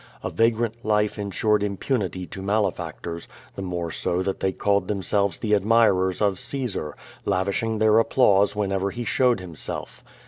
A vagrant life insured impunity to malefactors, the more so that they called themselves the admirers of Caesar, lavishing their applause whenever he showed himself.